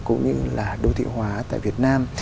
cũng như là đô thị hóa tại việt nam